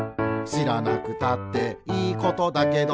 「しらなくたっていいことだけど」